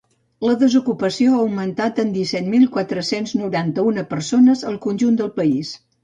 La desocupació ha augmentat en disset mil quatre-cents noranta-una persones al conjunt del país.